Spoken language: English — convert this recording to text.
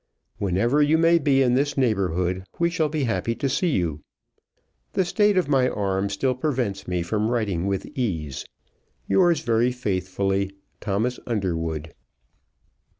Whenever you may be in this neighbourhood we shall be happy to see you. The state of my arm still prevents me from writing with ease. Yours very faithfully, THOMAS UNDERWOOD.